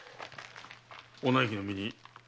お内儀の身に何か？